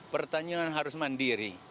pertanian harus mandiri